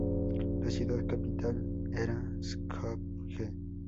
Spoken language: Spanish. La ciudad capital era Skopje.